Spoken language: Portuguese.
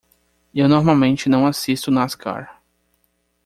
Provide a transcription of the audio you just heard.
Eu normalmente não assisto Nascar.